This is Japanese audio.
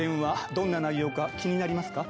どんな内容か気になりますか？